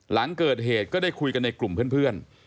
หลังเกิดเหตุก็ได้คุยกันในกลุ่มเพื่อน